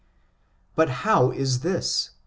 But how is this ?